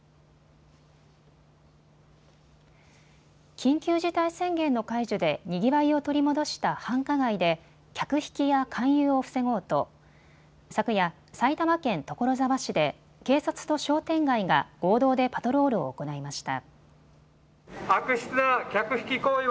緊急事態宣言の解除でにぎわいを取り戻した繁華街で客引きや勧誘を防ごうと昨夜、埼玉県所沢市で警察と商店街が合同でパトロールを行いました。